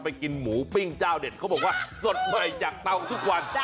กินหมูปิ้งเจ้าเด็ดเขาบอกว่าสดใหม่จากเตาทุกวัน